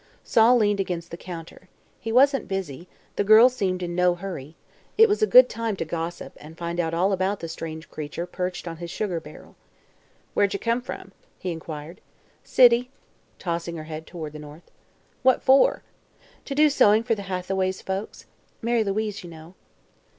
Sol leaned against the counter. He wasn't busy; the girl seemed in no hurry; it was a good time to gossip and find out all about the strange creature perched on his sugar barrel. "Where'd ye come from?" he inquired. "City," tossing her head toward the north. "What for?" "To do sewing for the Hathaways folks. Mary Louise, you know."